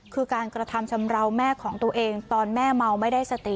คือการกระทำชำราวแม่ของตัวเองตอนแม่เมาไม่ได้สติ